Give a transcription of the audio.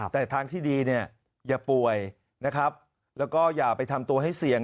แต่ทางที่ดีเนี่ยอย่าป่วยนะครับแล้วก็อย่าไปทำตัวให้เสี่ยง